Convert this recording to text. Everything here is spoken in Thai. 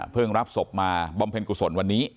รับศพมาบำเพ็ญกุศลวันนี้